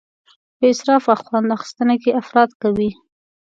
په اسراف او خوند اخیستنه کې افراط کوي.